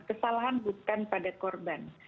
kesalahan bukan pada korban